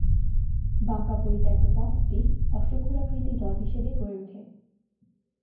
বাঁকা পরিত্যক্ত পথটি অশ্বক্ষুরাকৃতি হ্রদ হিসেবে গড়ে ওঠে।